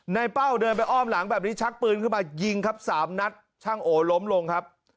เป้าเดินไปอ้อมหลังแบบนี้ชักปืนขึ้นมายิงครับสามนัดช่างโอล้มลงครับ